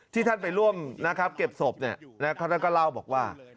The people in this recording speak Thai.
ที่ท่านไปร่วมนะครับเก็บศพเนี่ยแล้วท่านก็เล่าบอกว่า